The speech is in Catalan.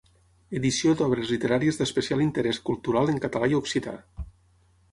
Edició d'obres literàries d'especial interès cultural en català i occità.